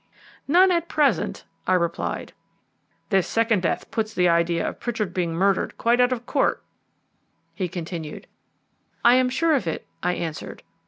"None at present," I replied. "This second death puts the idea of Pritchard being murdered quite out of court," he continued. "I am sure of it," I answered.